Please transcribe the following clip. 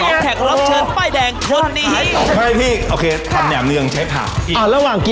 กับสองแขกรับเชิญป้ายแดงคนนี้